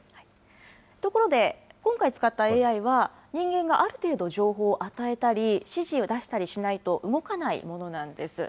ところで、今回使ったＡＩは、人間がある程度情報を与えたり、指示を出したりしないと動かないものなんです。